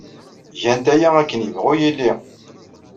Gant aya, akken yebɣu yili.